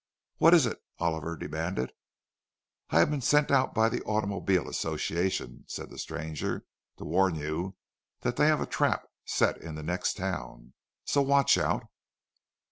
"What is it?" Oliver demanded. "I have been sent out by the Automobile Association," said the stranger, "to warn you that they have a trap set in the next town. So watch out."